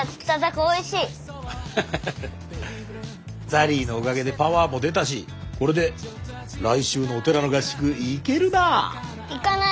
ザリィのおかげでパワーも出たしこれで来週のお寺の合宿行けるな。